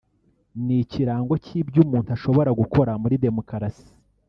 ni ikirango cy’ibyo umuntu ashobora gukora muri demokarasi